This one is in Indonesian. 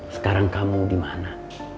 sekarang kamu dimana